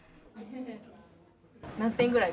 何点ぐらい？